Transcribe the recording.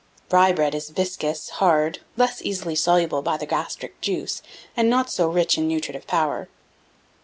Rye bread is viscous, hard, less easily soluble by the gastric juice, and not so rich in nutritive power.